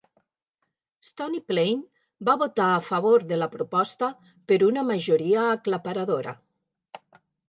Stony Plain va votar a favor de la proposta per una majoria aclaparadora.